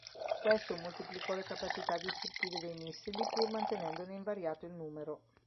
Questo moltiplicò le capacità distruttive dei missili pur mantenendone invariato il numero.